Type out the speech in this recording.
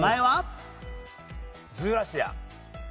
ズーラシア。